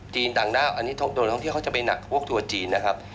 จีนดังดาวอันนี้โดนท้องเที่ยวเขาจะเป็นพวกตัวจีนนะครับ